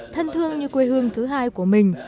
thân thương như quê hương thứ hai của mình